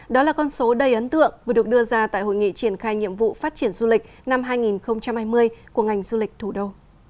đó là con số đầy ấn tượng vừa được đưa ra tại hội nghị triển khai nhiệm vụ phát triển du lịch năm hai nghìn hai mươi của ngành du lịch thủ đô